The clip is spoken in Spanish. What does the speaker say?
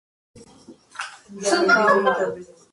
Su capital es Colmar.